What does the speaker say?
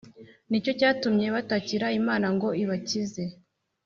Nicyo cyatumye batakira imana ngo ibakize